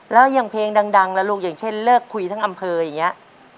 แล้วอย่างเพลงดังล่ะลูกอย่างเช่นเลิกคุยทั้งอำเภออย่างนี้